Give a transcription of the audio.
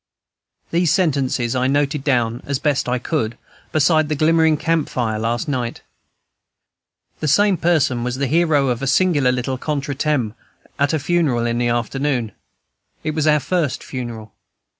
These sentences I noted down, as best I could, beside the glimmering camp fire last night. The same person was the hero of a singular little contre temps at a funeral in the afternoon. It was our first funeral.